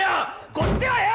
こっちはよ